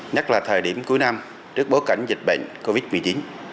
nhất là thời điểm cuối năm trước bối cảnh dịch bệnh covid một mươi chín